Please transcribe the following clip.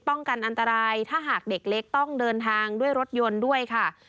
กันอันตรายถ้าหากเด็กเล็กต้องเดินทางด้วยรถยนต์ด้วยค่ะ